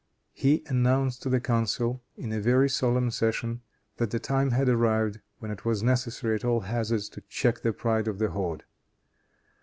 He announced to the council, in a very solemn session, that the time had arrived when it was necessary, at all hazards, to check the pride of the horde.